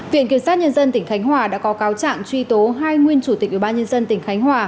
viện kiểm soát nhân dân tỉnh khánh hòa đã có cáo trạng truy tố hai nguyên chủ tịch ủy ban nhân dân tỉnh khánh hòa